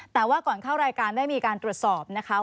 แต่ว่าก่อนเข้ารายการได้มีการตรวจสอบนะคะ